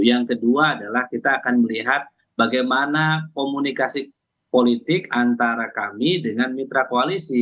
yang kedua adalah kita akan melihat bagaimana komunikasi politik antara kami dengan mitra koalisi